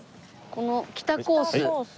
この北コース。